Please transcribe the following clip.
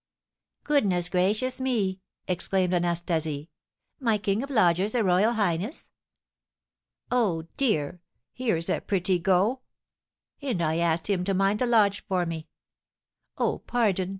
"Goodness gracious me!" exclaimed Anastasie. "My king of lodgers a royal highness! Oh, dear, here's a pretty go! And I asked him to mind the lodge for me. Oh, pardon!